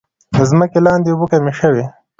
د ځمکې لاندې اوبه کمې شوي؟